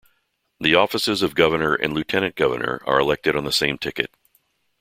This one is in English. The offices of governor and lieutenant governor are elected on the same ticket.